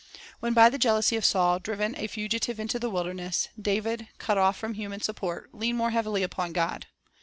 When by the jealousy of Saul driven a fugitive into the wilderness, David, cut off from human support, leaned more heavily upon God.